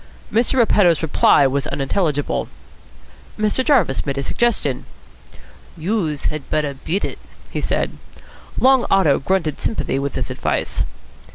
Mr. Repetto's reply was unintelligible. Mr. Jarvis made a suggestion. "Youse had better beat it," he said. Long Otto grunted sympathy with this advice.